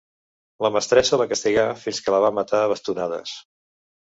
La mestressa la castigà, fins que la va matar a bastonades.